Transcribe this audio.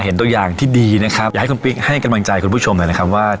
ตัวอย่างที่ดีนะครับอยากให้คุณปิ๊กให้กำลังใจคุณผู้ชมหน่อยนะครับว่า